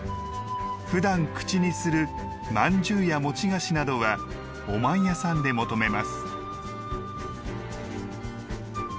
ふだん口にするまんじゅうや餅菓子などは「おまんやさん」で求めます。